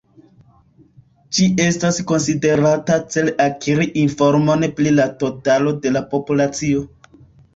Ĝi estas konsiderata cele akiri informon pri la totalo de la populacio.